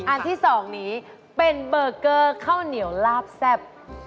อันที่๒นี้เป็นเบอร์เกอร์ข้าวเหนียวลาบแซ่บ